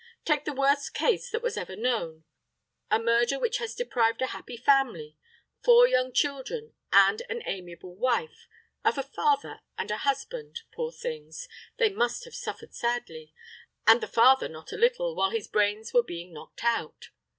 Take the worst case that ever was known: a murder which has deprived a happy family four young children and an amiable wife of a father and a husband poor things, they must have suffered sadly, and the father not a little, while his brains were being knocked out.